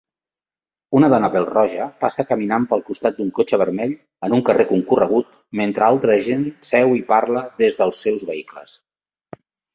Una dona pèl roja passa caminant pel costat d"un cotxe vermell en un carrer concorregut mentre altra gent seu i parla des dels seus vehicles.